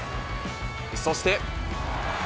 そして。